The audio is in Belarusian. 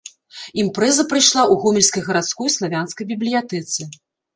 Імпрэза прайшла ў гомельскай гарадской славянскай бібліятэцы.